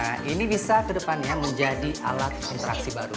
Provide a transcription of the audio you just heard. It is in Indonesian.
nah ini bisa ke depannya menjadi alat interaksi baru